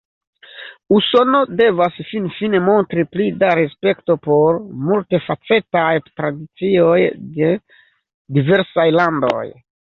Usono devas finfine montri pli da respekto por multfacetaj tradicioj de diversaj landoj.